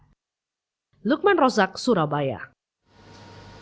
sebelumnya di jakarta sebuah video yang terlihat seperti ini